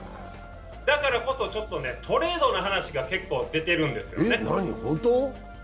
だからこそ、トレードの話が結構出ているんですよね。